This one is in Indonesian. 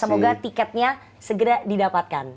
semoga tiketnya segera didapatkan